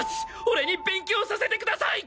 俺に勉強させてください！！